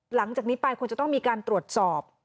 หลังจากนี้ไปควรจะต้องมีการตรวจสอบ